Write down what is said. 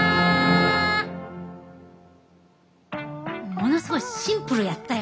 ものすごいシンプルやったよね。